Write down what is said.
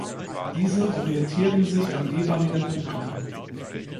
Diese orientieren sich am jeweiligen Programm.